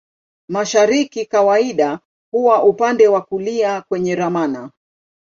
Mashariki kawaida huwa upande wa kulia kwenye ramani.